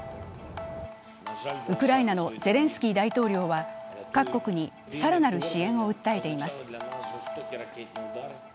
ウクライナのゼレンスキー大統領は各国に更なる支援を訴えています。